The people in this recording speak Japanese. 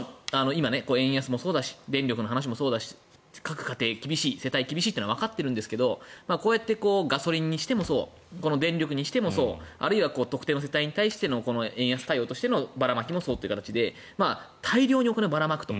今円安もそうだし電力もそうだし各家庭、世帯は厳しいというのはわかっているんですがガソリンにしてもそう電力にしてもそう特定の世帯に対しての円安対応としてのばらまきもそうという形で大量にお金をばらまくと。